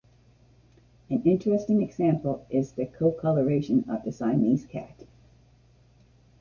An interesting example is the coat coloration of the Siamese cat.